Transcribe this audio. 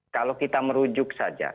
kalau kita merujuk saja